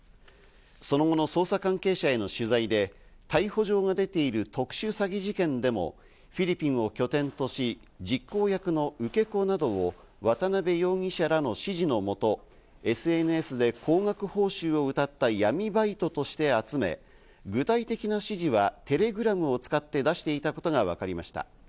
その後の捜査関係者への取材で逮捕状が出ている特殊詐欺事件でもフィリピンを拠点とし実行役の受け子などを渡辺容疑者らの指示のもと、ＳＮＳで高額報酬をうたった闇バイトとして集め、具体的な指示はテレグラムを使って出していたことがわかりました。